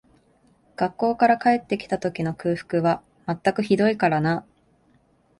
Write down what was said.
学校から帰って来た時の空腹は全くひどいからな